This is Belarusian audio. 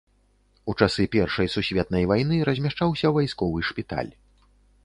У часы першай сусветнай вайны размяшчаўся вайсковы шпіталь.